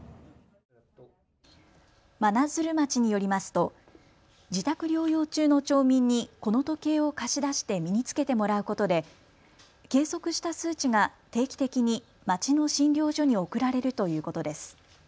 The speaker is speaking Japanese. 真鶴町によりますと自宅療養中の町民にこの時計を貸し出して身につけてもらうことで計測した数値が定期的に町の診療所に送られるということです。